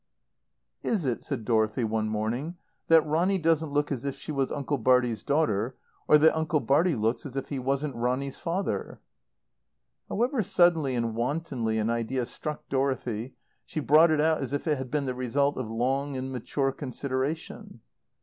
"Is it," said Dorothy one morning, "that Ronny doesn't look as if she was Uncle Bartie's daughter, or that Uncle Bartie looks as if he wasn't Ronny's father?" However suddenly and wantonly an idea struck Dorothy, she brought it out as if it had been the result of long and mature consideration.